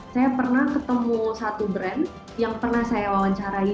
saya pernah ketemu satu brand yang pernah saya wawancarai